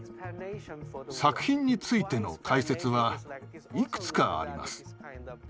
作品についての解説はいくつかあります。